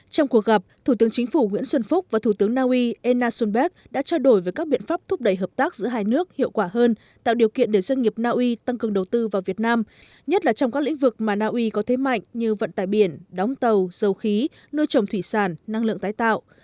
trong cuộc gặp thủ tướng chính phủ nguyễn xuân phúc và thủ tướng naui enna sunberg đã trao đổi về các biện pháp thúc đẩy hợp tác giữa hai nước hiệu quả hơn tạo điều kiện để doanh nghiệp naui tăng cường đầu tư vào việt nam nhất là trong các lĩnh vực mà naui có thế mạnh như vận tải biển đóng tàu dầu khí nuôi trồng thủy sản năng lượng tái tạo